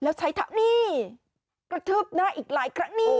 แล้วใช้เท้านี่กระทืบหน้าอีกหลายครั้งนี้